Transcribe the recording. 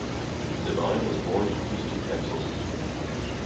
Devine was born in Houston, Texas.